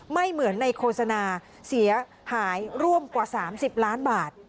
ไม่เหมือนในโฆษณาเสียหายร่วมกว่า๓๐ล้านบาท